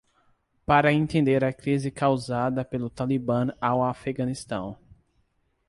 Para entender a crise causada pelo Talibã ao Afeganistão